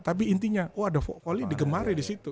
tapi intinya oh ada vokaly digemari di situ